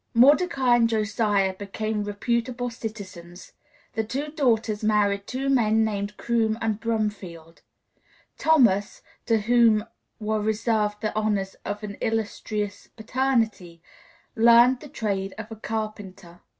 Mordecai and Josiah became reputable citizens; the two daughters married two men named Crume and Brumfield. Thomas, to whom were reserved the honors of an illustrious paternity, learned the trade of a carpenter.